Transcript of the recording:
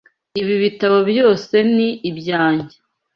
Ibi bitabo byose ni ibyanjye.